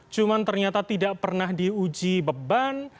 cuma ternyata tidak pernah diuji beban